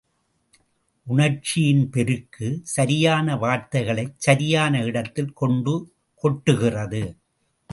உணர்ச்சியின் பெருக்கு, சரியான வார்த்தைகளைச் சரியான இடத்தில் கொண்டு கொட்டுகிறது.